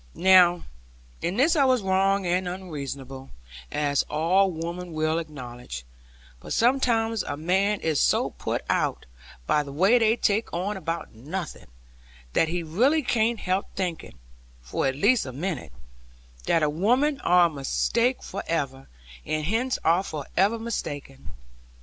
Now in this I was wrong and unreasonable (as all women will acknowledge); but sometimes a man is so put out, by the way they take on about nothing, that he really cannot help thinking, for at least a minute, that women are a mistake for ever, and hence are for ever mistaken.